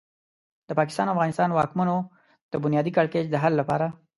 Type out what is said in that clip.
د پاکستان او افغانستان واکمنو د بنیادي کړکېچ د حل لپاره.